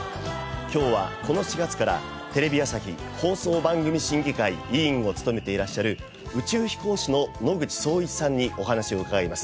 今日はこの４月からテレビ朝日放送番組審議会委員を務めていらっしゃる宇宙飛行士の野口聡一さんにお話を伺います。